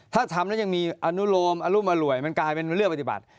ถ้าทำแล้วยังมีอนุโลมอรุมอร่วยมันกลายเป็นเลือกปฏิบัติ